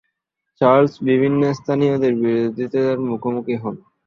Charles বিভিন্ন স্থানীয়দের বিরোধিতার মুখোমুখি হন।